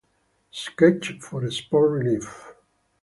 Sketch for Sport Relief.